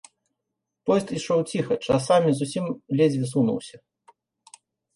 Поезд ішоў ціха, часамі зусім ледзьве сунуўся.